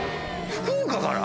福岡から？